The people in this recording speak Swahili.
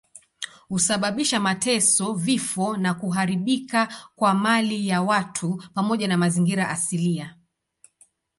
Husababisha mateso, vifo na kuharibika kwa mali ya watu pamoja na mazingira asilia.